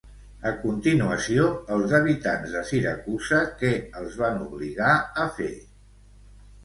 A continuació, els habitants de Siracusa què els van obligar a fer?